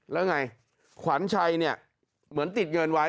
แล้วไงขวัญชัยเนี่ยเหมือนติดเงินไว้